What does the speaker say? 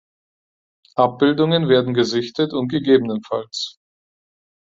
Abbildungen werden gesichtet und ggfs.